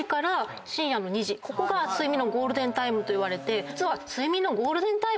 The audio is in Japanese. ここが睡眠のゴールデンタイムといわれて実は。